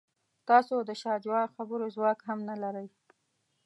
تاسو د شاه شجاع خبرو ځواک هم نه لرئ.